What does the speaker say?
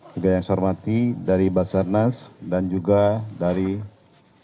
juga yang saya hormati dari basarnas dan juga dari tni